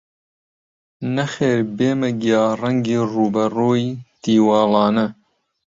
نەخێر بێمە گیاڕەنگی ڕووبەڕووی دیواڵانە